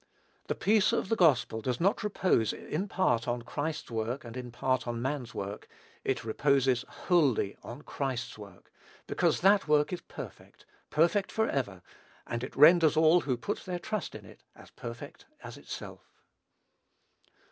The peace of the gospel does not repose in part on Christ's work, and in part on man's work; it reposes wholly on Christ's work, because that work is perfect, perfect forever; and it renders all who put their trust in it as perfect as itself.